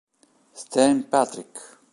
Stan Patrick